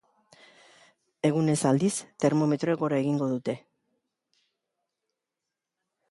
Egunez, aldiz, termometroek gora egingo dute.